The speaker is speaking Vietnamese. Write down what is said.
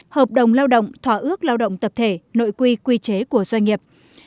hợp đồng lao động thỏa ước lao động tập thể nội quy quy chế của doanh nghiệp